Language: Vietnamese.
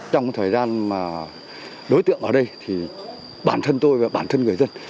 trong thời gian mà đối tượng ở đây thì bản thân tôi và bản thân người dân